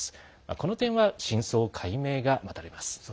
この点は、真相解明が待たれます。